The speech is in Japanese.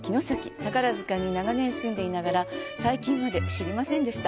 宝塚に長年住んでいながら最近まで知りませんでした。